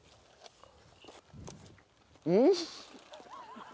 うん！